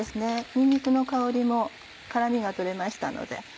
にんにくの香りも辛みが取れましたので。